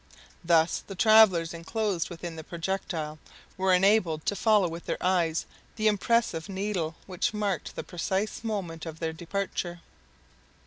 Thus the travelers enclosed within the projectile were enabled to follow with their eyes the impassive needle which marked the precise moment of their departure.